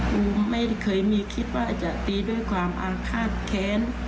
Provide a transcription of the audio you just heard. หนูไม่เคยมีคิดว่าจะตีด้วยความอาฆาตแค้น